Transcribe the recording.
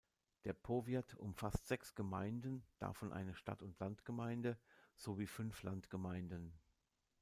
Der Powiat umfasst sechs Gemeinden, davon eine Stadt-und-Land-Gemeinde sowie fünf Landgemeinden.